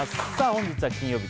本日は金曜日。